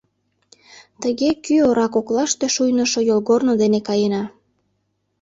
Тыге, кӱ ора коклаште шуйнышо йолгорно дене каена.